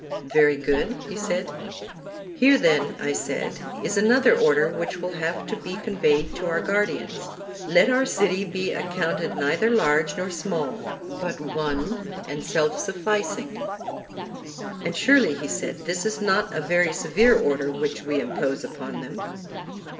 Very good, he said. Here then, I said, is another order which will have to be conveyed to our guardians: Let our city be accounted neither large nor small, but one and self sufficing. And surely, said he, this is not a very severe order which we impose upon them.